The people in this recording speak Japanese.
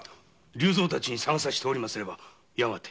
竜三たちに探させておりますればやがて。